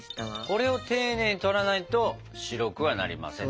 これを丁寧に取らないと白くはなりませんと。